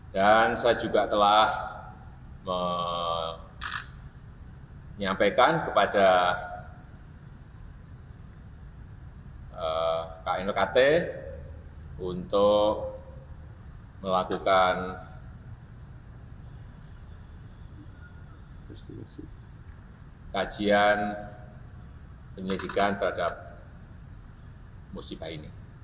dan saya juga telah menyampaikan kepada knlkt untuk melakukan kajian penyelidikan terhadap musibah ini